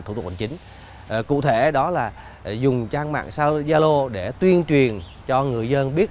thủ tục hành chính cụ thể đó là dùng trang mạng xã hội gia lô để tuyên truyền cho người dân biết